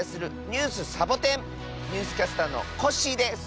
ニュースキャスターのコッシーです。